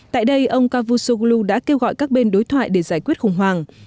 tại đây ông cavusoglu đã kêu gọi các bên đối thoại để giải quyết khủng hoảng